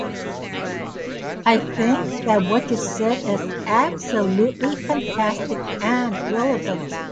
I think that what you said is absolutely fantastic and relevant.